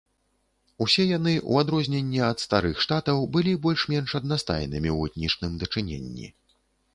Усе яны, у адрозненне ад старых штатаў, былі больш-менш аднастайнымі ў этнічным дачыненні.